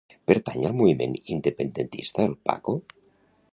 Pertany al moviment independentista el Paco?